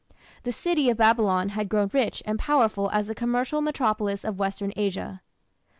The city of Babylon had grown rich and powerful as the commercial metropolis of Western Asia.